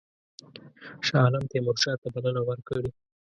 شاه عالم تیمورشاه ته بلنه ورکړې.